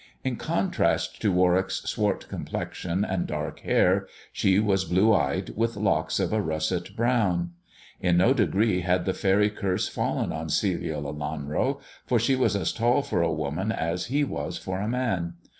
In contrast to Warwick's swart complexion and dark hair, she was blue eyed, with locks of a russet brown. In no degree had the faery curse fallen on Celia Lelanro, for she was as tall for a woman as he was for a man.